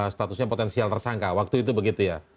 statusnya potensial tersangka waktu itu begitu ya